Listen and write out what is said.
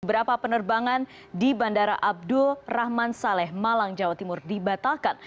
beberapa penerbangan di bandara abdul rahman saleh malang jawa timur dibatalkan